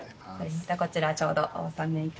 こちらちょうどお納めいたします。